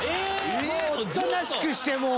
おとなしくしてもう。